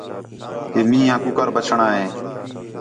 کہ مین٘ہ آ کُکر بچݨاں ہِے